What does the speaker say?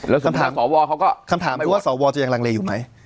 แล้วสำหรับศวเขาก็คำถามว่าศวจะยังลังเลย์อยู่มั้ย